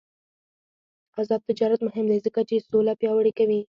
آزاد تجارت مهم دی ځکه چې سوله پیاوړې کوي.